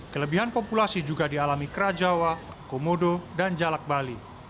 kelebihan populasi juga dialami kera jawa komodo dan jalak bali